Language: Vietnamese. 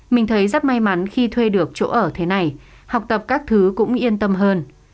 mình thấy rất may mắn khi thuê được chỗ ở thế này học tập các thứ cũng yên tâm hơn